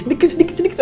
sedikit sedikit sedikit